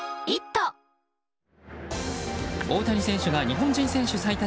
大谷選手が日本人選手最多